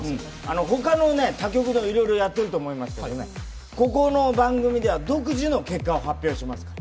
他局でいろいろやっていると思いますけどね、ここの番組では独自の結果を発表しますから。